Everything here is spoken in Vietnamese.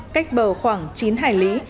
cách bờ khoảng chín hải lý